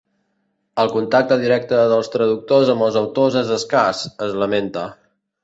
El contacte directe dels traductors amb els autors és escàs, es lamenta.